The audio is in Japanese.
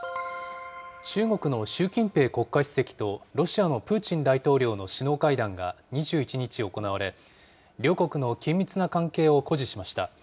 中国の習近平国家主席とロシアのプーチン大統領の首脳会談が２１日行われ、両国の緊密な関係を誇示しました。